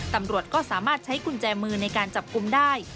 ตำรวจก็สามารถใช้กุญแจมือในการจับกลุ่มได้